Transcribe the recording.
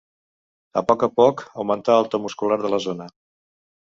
A poc a poc, augmenta el to muscular de la zona.